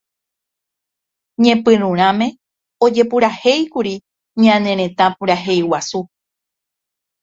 Ñepyrũrãme ojepurahéikuri Ñane Retã Purahéi Guasu.